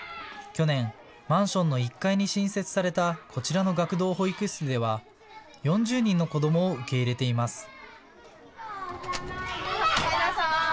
去年、マンションの１階に新設されたこちらの学童保育室では４０人の子どもを受け入れています。